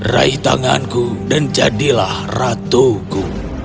raih tanganku dan jadilah ratuku